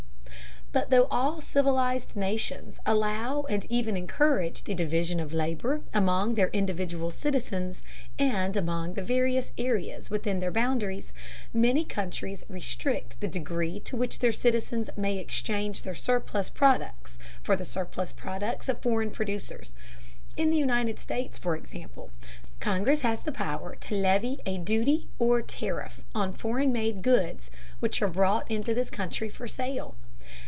But though all civilized nations allow and even encourage the division of labor among their individual citizens and among the various areas within their own boundaries, many countries restrict the degree to which their citizens may exchange their surplus products for the surplus products of foreign producers. In the United States, for example, Congress has the power to levy a duty or tariff on foreign made goods which are brought into this country for sale.